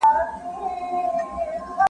زه کولای سم بوټونه پاک کړم